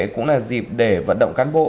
cũng là dịp để vận động cán bộ